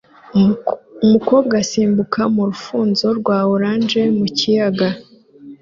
Umukobwa asimbukira mu rufunzo rwa orange mu kiyaga